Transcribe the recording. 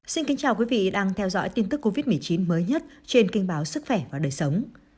xin kính chào quý vị đang theo dõi tin tức covid một mươi chín mới nhất trên kinh báo sức khỏe và đời sống